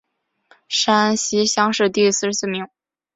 山西乡试第四十四名。